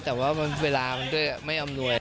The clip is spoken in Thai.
แต่ว่าเวลามันก็ไม่อมนวย